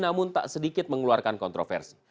namun tak sedikit mengeluarkan kontroversi